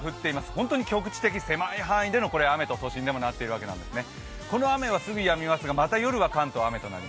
本当に局地的、狭い範囲での雨となっているんですね。